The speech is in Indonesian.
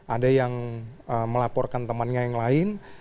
ada yang melaporkan temannya yang lain